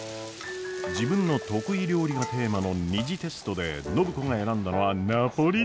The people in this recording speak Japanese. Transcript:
自分の得意料理がテーマの２次テストで暢子が選んだのはナポリタン！